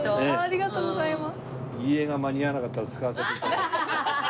ありがとうございます。